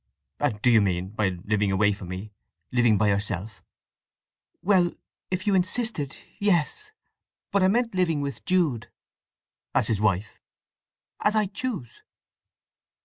"And do you mean, by living away from me, living by yourself?" "Well, if you insisted, yes. But I meant living with Jude." "As his wife?" "As I choose."